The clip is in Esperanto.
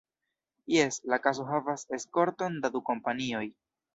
Jes: la kaso havas eskorton da du kompanioj.